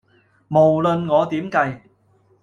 無論我點計